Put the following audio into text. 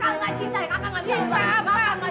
nggak akan ngecintai